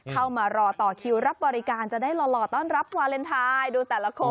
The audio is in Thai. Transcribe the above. เข้ามารอต่อคิวรับบริการจะได้หล่อต้อนรับวาเลนไทยดูแต่ละคน